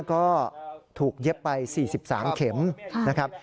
ก็ถูกเย็บไป๔๓เข็มนะครับ